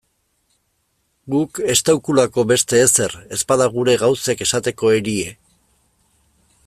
Guk estaukulako beste ezer, ezpada gure gauzek esateko erie.